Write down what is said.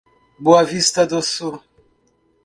Boa Vista do Sul